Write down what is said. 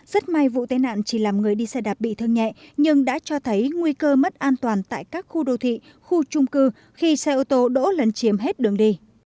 rất may vụ tai nạn chỉ làm người đi xe đạp bị thương nhẹ nhưng đã cho thấy nguy cơ mất an toàn tại các khu đô thị khu trung cư khi xe ô tô đỗ lấn chiếm hết đường đi